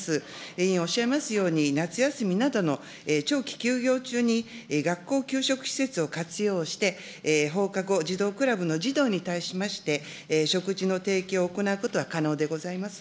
委員おっしゃいますように、夏休みなどの長期休業中に学校給食施設を活用して、放課後児童クラブの児童に対しまして、食事の提供を行うことは可能でございます。